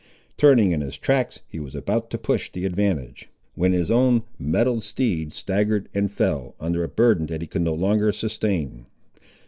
Turning in his tracks, he was about to push the advantage, when his own mettled steed staggered and fell, under a burden that he could no longer sustain.